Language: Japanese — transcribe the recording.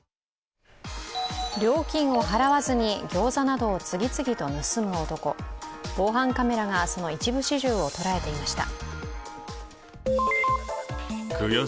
料金を払わずにギョーザなどを次々と盗む男防犯カメラが、その一部始終を捉えていました。